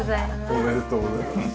おめでとうございます。